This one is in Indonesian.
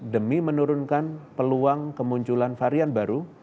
demi menurunkan peluang kemunculan varian baru